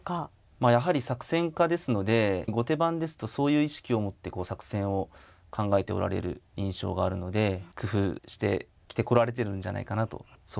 まあやはり作戦家ですので後手番ですとそういう意識を持って作戦を考えておられる印象があるので工夫してきてこられてるんじゃないかなと想像してます。